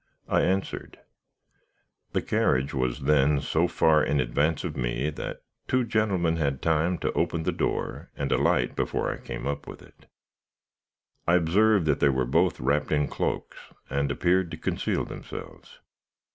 I answered. The carriage was then so far in advance of me that two gentlemen had time to open the door and alight before I came up with it I observed that they were both wrapped in cloaks, and appeared to conceal themselves.